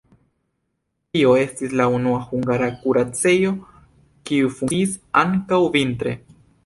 Tio estis la unua hungara kuracejo, kiu funkciis ankaŭ vintre.